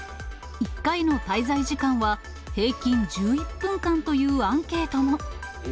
１回の滞在時間は平均１１分間というアンケートも。